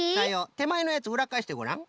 てまえのやつうらっかえしてごらん。